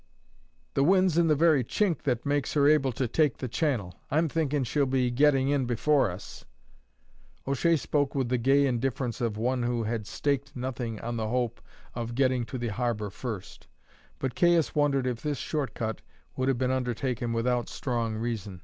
"The wind's in the very chink that makes her able to take the channel. I'm thinking she'll be getting in before us." O'Shea spoke with the gay indifference of one who had staked nothing on the hope of getting to the harbour first; but Caius wondered if this short cut would have been undertaken without strong reason.